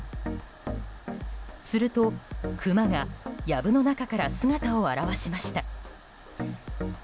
すると、クマが藪の中から姿を現しました。